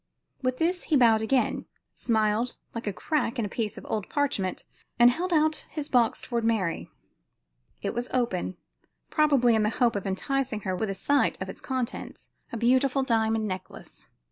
With this he bowed again, smiled like a crack in a piece of old parchment, and held his box toward Mary. It was open, probably in the hope of enticing her with a sight of its contents a beautiful diamond necklace.